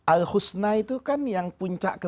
al husna itu kan yang puncak